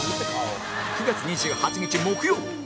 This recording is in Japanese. ９月２８日木曜